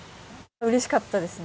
うれしかったですね。